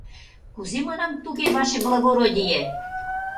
— Кузе, манам, туге, ваше благородие?